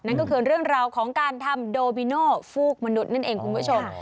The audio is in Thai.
นั่นก็คือเรื่องราวของการทำโดมิโนฟูกมนุษย์นั่นเองคุณผู้ชม